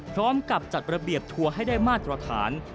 พร้อมกับจัดระเบียบทัวร์ให้ได้มาตรฐาน